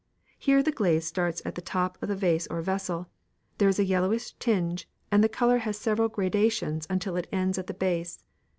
Here the glaze starts at the top of the vase or vessel; there is a yellowish tinge, and the colour has several gradations until it ends at the base.